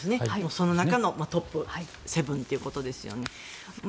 その中のトップ７ということですよね。